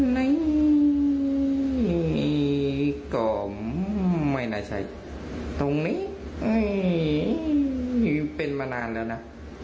ตรงนี้ก็ไม่น่าใช่ตรงนี้เป็นมานานแล้วนะ